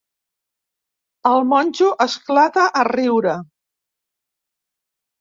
El monjo esclata a riure.